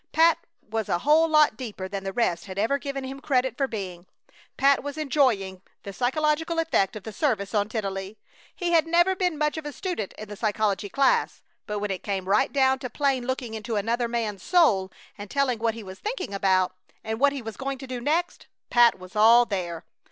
Pat was a whole lot deeper than the rest had ever given him credit for being. Pat was enjoying the psychological effect of the service on Tennelly. He had never been much of a student in the psychology class, but when it came right down to plain looking into another man's soul and telling what he was thinking about, and what he was going to do next, Pat was all there.